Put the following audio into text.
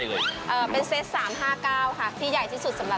อิ่มกับบ้านทุกท่านค่ะ